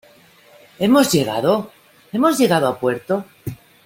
¿ hemos llegado? ¿ hemos llegado a puerto ?